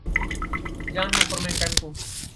Jangan mempermainkanku.